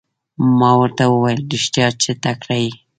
ما ورته وویل رښتیا چې تکړه یې.